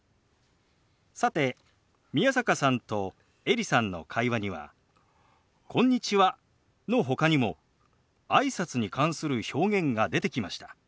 さて宮坂さんとエリさんの会話には「こんにちは」のほかにもあいさつに関する表現が出てきました。